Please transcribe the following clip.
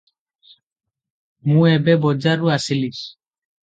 ମୁଁ ଏବେ ବଜାର ରୁ ଆସିଲି